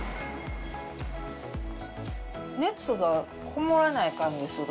熱がこもらない感じする。